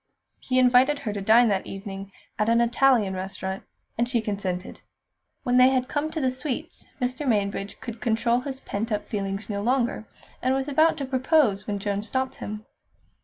He invited her to dine that evening at an Italian restaurant, and she consented. When they had come to the sweets, Mr. Mainbridge could control his pent up feelings no longer, and was about to propose when Joan stopped him.